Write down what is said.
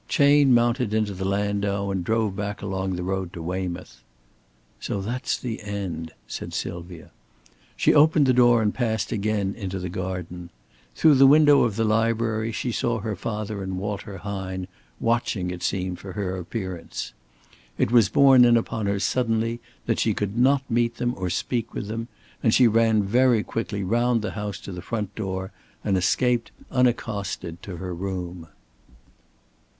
Chayne mounted into the landau and drove back along the road to Weymouth. "So that's the end," said Sylvia. She opened the door and passed again into the garden. Through the window of the library she saw her father and Walter Hine, watching, it seemed, for her appearance. It was borne in upon her suddenly that she could not meet them or speak with them, and she ran very quickly round the house to the front door, and escaped unaccosted to her room.